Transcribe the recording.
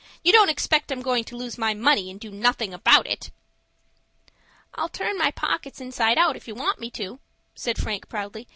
"You don't expect I'm going to lose my money, and do nothing about it." "I'll turn my pockets inside out if you want me to," said Frank, proudly.